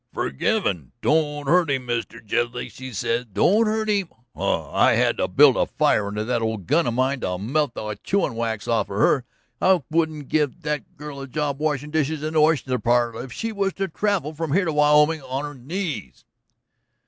"Forgivin'! 'Don't hurt him, Mr. Jedlick,' she says, 'don't hurt him!' Huh! I had to build a fire under that old gun of mine to melt the chawin' wax off of her. I wouldn't give that girl a job washin' dishes in the oyster parlor if she was to travel from here to Wyoming on her knees."